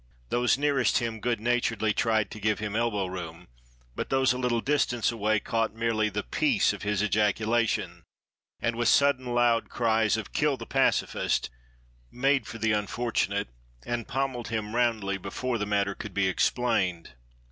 Those nearest him good naturedly tried to give him elbow room, but those a little distance away caught merely the "peace" of his ejaculation and, with sudden loud cries of "kill the pacifist," made for the unfortunate, and pommelled him roundly before the matter could be explained.